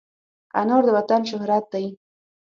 انار د وطن شهرت دی.